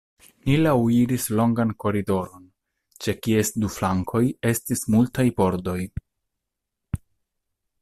Ni laŭiris longan koridoron, ĉe kies du flankoj estis multaj pordoj.